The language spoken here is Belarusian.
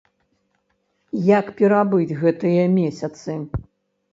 Як перабыць гэтыя месяцы?